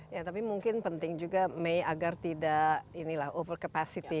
ya tapi mungkin penting juga may agar tidak over capacity